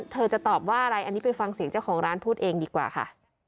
จะตอบว่าอะไรอันนี้ไปฟังเสียงเจ้าของร้านพูดเองดีกว่าค่ะ